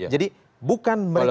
jadi bukan mereka bicara